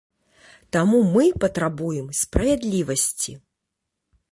Таму мы патрабуем справядлівасці.